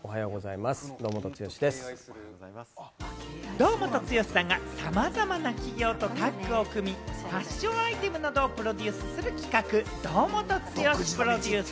堂本剛さんがさまざまな企業とタッグを組み、ファッションアイテムなどをプロデュースする企画・堂本剛プロデュース。